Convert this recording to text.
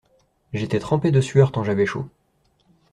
J’étais trempé de sueur tant j’avais chaud.